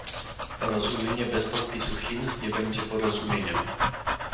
Porozumienie bez podpisu Chin nie będzie porozumieniem